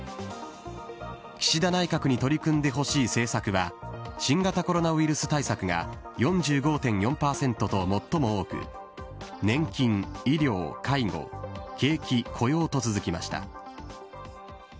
岸田内閣に取り組んでほしい政策は、新型コロナウイルス対策が４５．４％と最も多く、年金・医療・介護、景気・雇用と続きました。